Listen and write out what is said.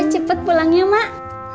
cepet pulang ya mak